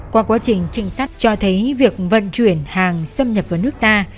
qua quá trình trinh sát cho thấy việc vận chuyển hàng xâm nhập vào nước ta